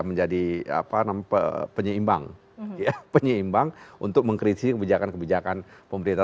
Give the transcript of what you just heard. menjadi apa namanya penyeimbang ya penyeimbang untuk mengkritisi kebijakan kebijakan pemerintah